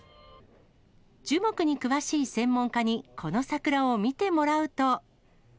樹木に詳しい専門家に、その桜を見てもらうと。